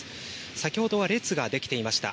先ほどは列が出来ていました。